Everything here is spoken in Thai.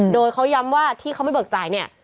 ผมก็มีความถูกจับว่าสารเนี่ย